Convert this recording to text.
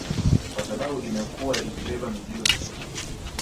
Kwa sababu imekuwa ikibeba mizigo mikubwa